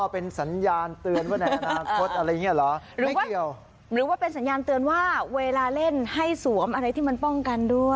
เป็นสัญญาณเตือนว่าในอนาคตอะไรอย่างนี้เหรอไม่เกี่ยวหรือว่าเป็นสัญญาณเตือนว่าเวลาเล่นให้สวมอะไรที่มันป้องกันด้วย